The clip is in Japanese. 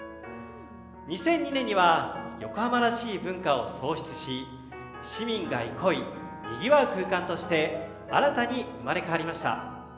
２００２年には横浜らしい文化を創出し市民が憩い、にぎわう空間として新たに生まれ変わりました。